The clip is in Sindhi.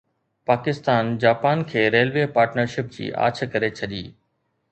پاڪستان جاپان کي ريلوي پارٽنرشپ جي آڇ ڪري ڇڏي